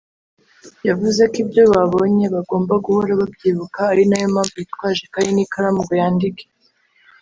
yavuze ko ibyo babonye bagomba guhora babyibuka ari nayo mpamvu yitwaje ikaye n’ikaramu ngo yandike